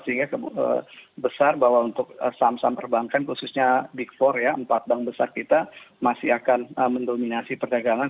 sehingga besar bahwa untuk saham saham perbankan khususnya big empat ya empat bank besar kita masih akan mendominasi perdagangan